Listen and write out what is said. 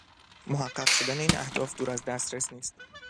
محقق شدن این اهداف دور از دسترس نیست